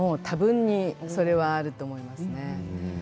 たぶんにそれはあると思いますね。